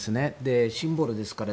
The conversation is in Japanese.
シンボルですから。